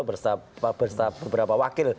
bersama beberapa wakil